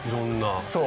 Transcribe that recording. そう。